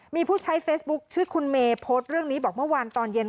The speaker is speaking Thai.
มีผู้ใช้เฟซบุ๊คชื่อคุณเมย์โพสต์เรื่องนี้บอกเมื่อวานตอนเย็น